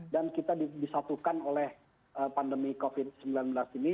kita disatukan oleh pandemi covid sembilan belas ini